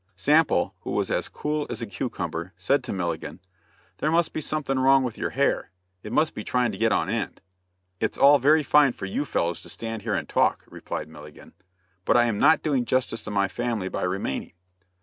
Sample, who was as cool as a cucumber, said to Milligan: "There must be something wrong with your hair. It must be trying to get on end." "It's all very fine for you fellows to stand here and talk," replied Milligan, "but I am not doing justice to my family by remaining.